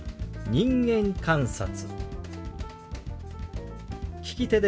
「人間観察」。